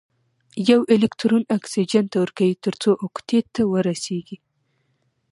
یو الکترون اکسیجن ته ورکوي تر څو اوکتیت ته ورسیږي.